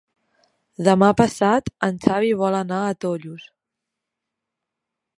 Demà passat en Xavi vol anar a Tollos.